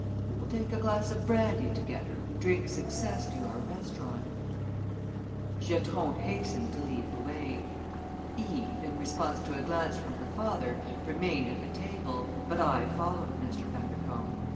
We will take a glass of brandy together and drink success to your restaurant." Giatron hastened to lead the way. Eve, in response to a glance from her father, remained at the table; but I followed Mr. Bundercombe.